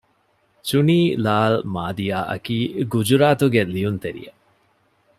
ޗުނީ ލާލް މާދިއާ އަކީ ގުޖުރާތުގެ ލިޔުންތެރިއެއް